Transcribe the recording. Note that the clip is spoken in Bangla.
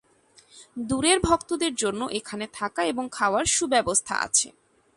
দূরের ভক্তদের জন্য এখানে থাকা এবং খাওয়ার সু-ব্যবস্থা আছে।